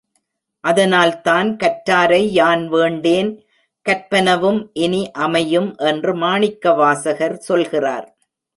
அதனால்தான், கற்றாரை யான்வேண்டேன் கற்பனவும் இனிஅமையும் என்று மாணிக்கவாசகர் சொல்கிறார்.